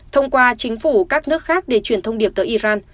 thông qua chính phủ các nước khác để chuyển thông điệp tới iran